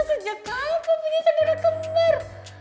mas mas sejak kapan punya saudara kembar